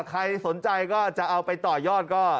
ใครสนใจก็จะเอาไปต่อยอดก็